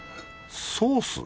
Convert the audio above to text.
ソース？